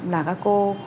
là các cô